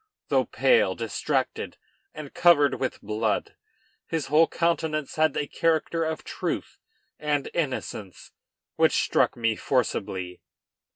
Though pale, distracted, and covered with blood, his whole countenance had a character of truth and innocence which struck me forcibly.